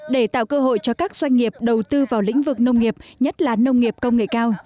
để tạo cơ hội cho các doanh nghiệp đầu tư vào lĩnh vực nông nghiệp nhất là nông nghiệp công nghệ cao